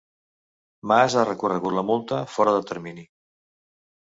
Mas ha recorregut la multa fora de termini